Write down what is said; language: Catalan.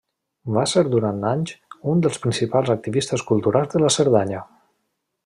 Va ser durant anys un dels principals activistes culturals de la Cerdanya.